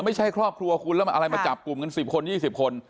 ไม่ใช่ครอบครัวคุณแล้วมาอะไรมาจับกลุ่มกัน๑๐คน๒๐คน